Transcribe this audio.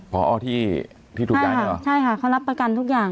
ผอที่ทุกอย่างเนอะใช่ค่ะเขารับประกันทุกอย่าง